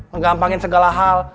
menggampangin segala hal